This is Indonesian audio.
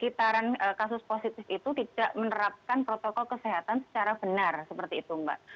kita bisa lihat di sekitaran kasus positif itu tidak menerapkan protokol kesehatan secara benar seperti itu mbak